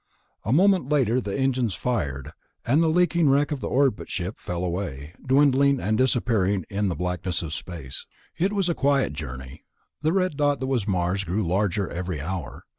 A moment later the engines fired, and the leaking wreck of the orbit ship fell away, dwindling and disappearing in the blackness of space. It was a quiet journey. The red dot that was Mars grew larger every hour.